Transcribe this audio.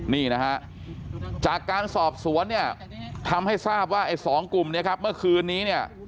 นี่นะฮะจากการสอบสวนเนี่ยทำให้ทราบว่าไอ้สองกลุ่มเนี่ยครับเมื่อคืนนี้เนี่ย